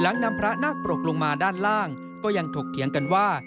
นำพระนาคปรกลงมาด้านล่างก็ยังถกเถียงกันว่า